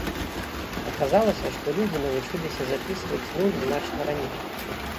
Аказалася, што людзі навучыліся запісваць нуль значна раней.